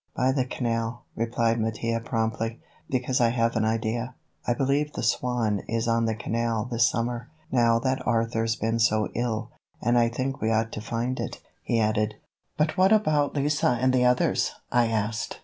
"By the canal," replied Mattia promptly, "because I have an idea. I believe the Swan is on the canal this summer, now that Arthur's been so ill, and I think we ought to find it," he added. "But what about Lise and the others?" I asked.